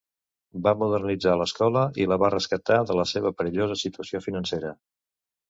Va modernitzar l'escola i la va rescatar de la seva perillosa situació financera.